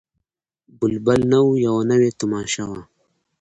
بلبل نه وو یوه نوې تماشه وه